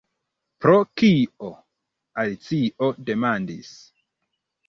"Pro kio?" Alicio demandis.